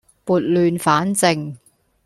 撥亂反正